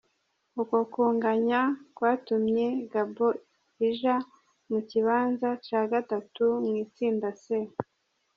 Uko kunganya kwatumye Gabon ija mu kibanza ca gatatu mw'itsinda C.